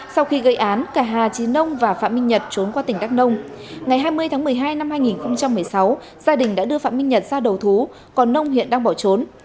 sau khi gây án cả hà trí nông và phạm minh nhật trốn qua tỉnh đắk nông ngày hai mươi tháng một mươi hai năm hai nghìn một mươi sáu gia đình đã đưa phạm minh nhật ra đầu thú còn nông hiện đang bỏ trốn